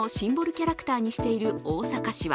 キャラクターにしている大阪市は